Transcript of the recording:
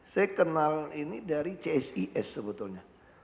saya kenal ini dari csis sebetulnya